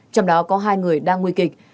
trong đó có hai người đang nguy kịch